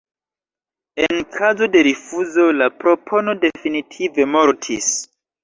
En kazo de rifuzo, la propono definitive mortis.